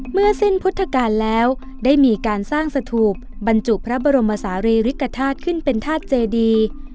เมื่อสิ้นพุทธกาลแล้วได้มีการสร้างสถูปบรรจุพระบรมศาลีริกฐาตุขึ้นเป็นธาตุเจดี